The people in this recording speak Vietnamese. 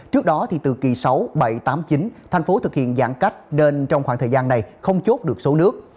trước đó từ kỳ sáu bảy tám mươi chín thành phố thực hiện giãn cách nên trong khoảng thời gian này không chốt được số nước